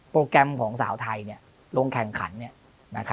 แกรมของสาวไทยลงแข่งขัน